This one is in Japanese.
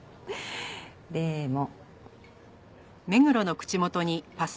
でも。